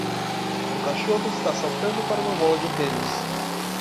Um cachorro está saltando para uma bola de tênis.